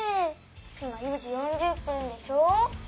今４時４０分でしょ。